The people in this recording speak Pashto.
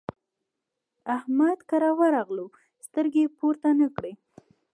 د احمد کره ورغلو؛ سترګې يې پورته نه کړې.